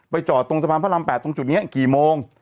จอดตรงสะพานพระราม๘ตรงจุดนี้กี่โมง